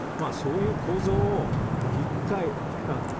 そういう構造を１回。